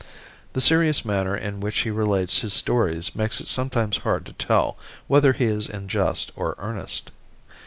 The serious manner in which he relates his stories makes it sometimes hard to tell whether he is in jest or earnest.